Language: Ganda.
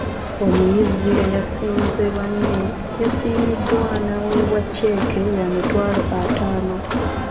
Omuyizi eyasinze banne yasiimiddwa n’aweebwa cceeke ya mitwalo ataano.